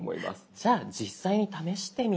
じゃあ実際に試してみましょう。